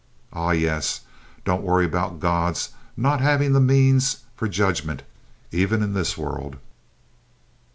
Ah, yes, don't worry about God's not having the means for judgment, even in this world!"